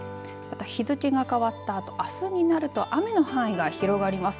日付が変わったあとあすになると雨の範囲が広がります。